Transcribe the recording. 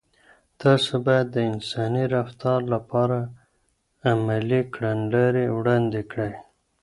تاسو باید د انساني رفتار لپاره عملي کړنلارې وړاندې کړئ.